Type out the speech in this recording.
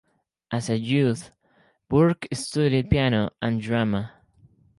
As a youth, Burke studied piano and drama.